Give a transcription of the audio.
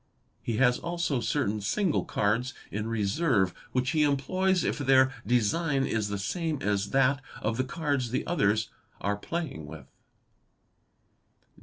He has also certain single cards in reserve, which he employs if their design is the same as that of the cards the others are playing with.